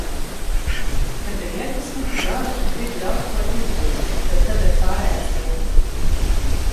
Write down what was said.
Kad ir iedvesma, varu un gribu daudz ko izdarīt, bet tad ir pārējās dienas.